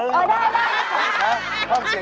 นึกว่าบ่าแรงใช่มั้ย